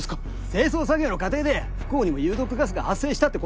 清掃作業の過程で不幸にも有毒ガスが発生したってことだよ。